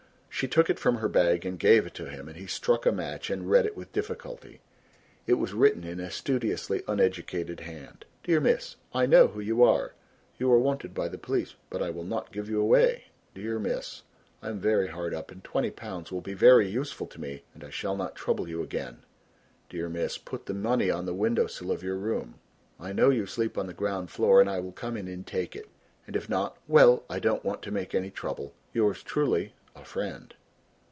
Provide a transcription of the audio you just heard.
She took it from her bag and gave it to him and he struck a match and read it with difficulty. It was written in a studiously uneducated hand. "Dear Miss, "I know who you are. You are wanted by the police but I will not give you away. Dear Miss. I am very hard up and 20 pounds will be very useful to me and I shall not trouble you again. Dear Miss. Put the money on the window sill of your room. I know you sleep on the ground floor and I will come in and take it. And if not well, I don't want to make any trouble. "Yours truly, "A FRIEND."